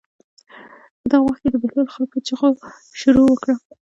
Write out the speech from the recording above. په دغه وخت کې د بهلول خر په چغو شروع وکړه.